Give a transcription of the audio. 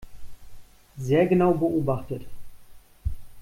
Sehr genau beobachtet.